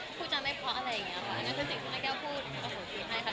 พูดจะไม่เพราะอะไรอย่างเงี้ยค่ะนั่นคือสิ่งที่ณเก้าพูดโอ้โหจริงให้ค่ะ